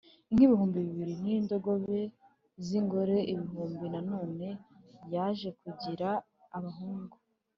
Inka ibihumbi bibiri n indogobe z ingore igihumbi nanone yaje kugira abahungu